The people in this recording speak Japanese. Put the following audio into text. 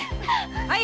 はい！